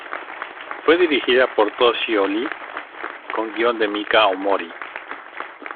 Fue dirigida por Toshio Lee, con guion de Mika Omori.